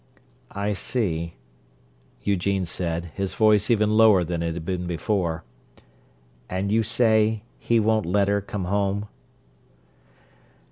"I see," Eugene said, his voice even lower than it had been before. "And you say he won't 'let' her come home?"